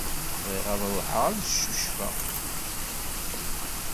Bɣiɣ ad ṛuḥeɣ ad cucfeɣ.